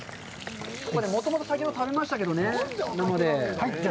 もともと先ほど食べましたけどね、生で。